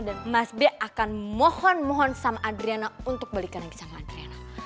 dan mas be akan mohon mohon sama adriana untuk balikan lagi sama adriana